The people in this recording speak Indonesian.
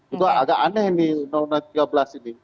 itu agak aneh nih undang undang tiga belas ini